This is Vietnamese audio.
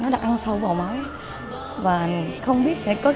nó đắt ăn sâu vào mái và không biết vitionalize